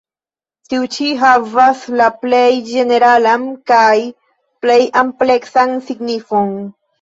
Tiu ĉi havas la plej ĝeneralan kaj plej ampleksan signifon.